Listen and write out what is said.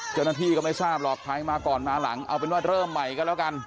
เจ้าหน้าที่ก็ไม่ทราบหรอกใครมาก่อนมาหลังเอาเป็นว่าเริ่มใหม่ก็แล้วกัน